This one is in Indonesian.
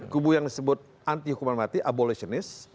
kubu yang disebut anti hukuman mati abolisionis